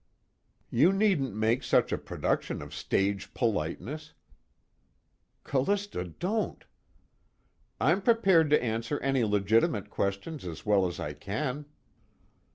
"You needn't make such a production of stage politeness." Callista, don't! "I'm prepared to answer any legitimate questions as well as I can."